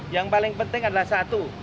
yang paling penting adalah satu